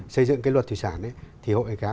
xây dựng cái luật thủy sản ấy thì hội gái